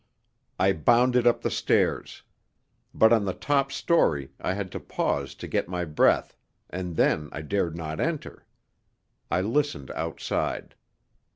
I bounded up the stairs. But on the top story I had to pause to get my breath, and then I dared not enter. I listened outside.